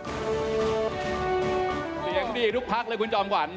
เสียงดีทุกพักเลยคุณจอมขวัญ